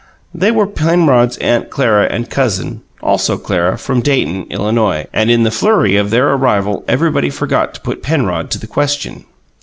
They were Penrod's Aunt Clara and cousin, also Clara, from Dayton, Illinois, and in the flurry of their arrival everybody forgot to put Penrod to the question.